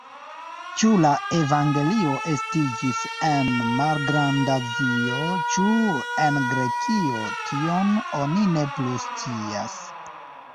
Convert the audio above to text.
Ĉu la evangelio estiĝis en Malgrandazio, ĉu en Grekio, tion oni ne plu scias.